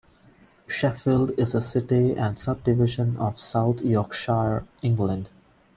Sheffield is a city and subdivision of South Yorkshire, England.